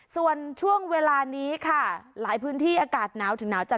ส่วนช่วงเวลานี้ค่ะหลายพื้นที่อากาศหนาวถึงหนาวจัด